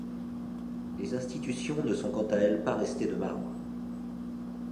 Les institutions ne sont quant à elles pas restées de marbre.